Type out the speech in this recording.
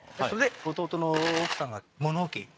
それで弟の奥さんが物置